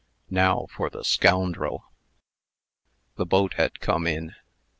"Now for the scoundrel." The boat had come in.